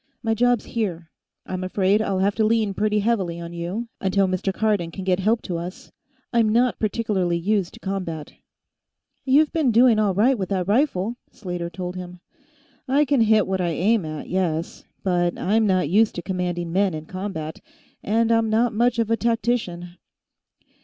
My job's here. I'm afraid I'll have to lean pretty heavily on you, until Mr. Cardon can get help to us. I'm not particularly used to combat." "You've been doing all right with that rifle," Slater told him. "I can hit what I aim at, yes. But I'm not used to commanding men in combat, and I'm not much of a tactician."